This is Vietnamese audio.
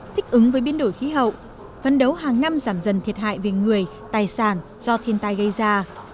thích ứng với biến đổi khí hậu phấn đấu hàng năm giảm dần thiệt hại về người tài sản do thiên tai gây ra